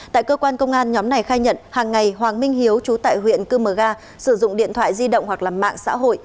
tại cơ quan công an nhóm này khai nhận hàng ngày hoàng minh hiếu trú tại huyện cư mờ ga sử dụng điện thoại di động hoặc là mạng xã hội